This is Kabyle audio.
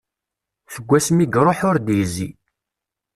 Seg wasmi i iruḥ ur d-yezzi.